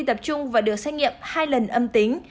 tập trung và được xét nghiệm hai lần âm tính